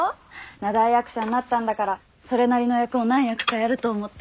名題役者になったんだからそれなりの役を何役かやると思って。